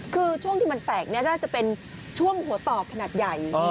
คือช่วงที่มันแตกน่าจะเป็นช่วงหัวตอกขนาดใหญ่